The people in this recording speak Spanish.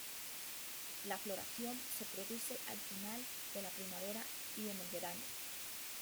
La floración se produce al final de la primavera y en el verano.